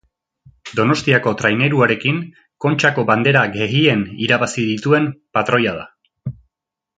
Donostiako traineruarekin Kontxako Bandera gehien irabazi dituen patroia da.